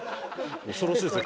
恐ろしいですね。